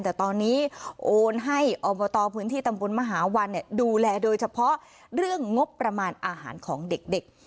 แต่ตอนนี้โอนให้อบตพื้นที่ตำบลมหาวันดูแลโดยเฉพาะเรื่องงบประมาณอาหารของเด็ก